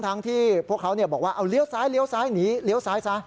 ทั้งที่พวกเขาบอกว่าเอาเลี้ยวซ้ายหนีเลี้ยวซ้าย